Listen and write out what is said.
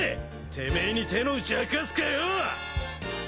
てめえに手の内明かすかよ！